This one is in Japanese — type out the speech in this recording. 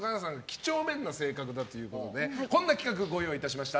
几帳面な性格だということでこんな企画をご用意いたしました。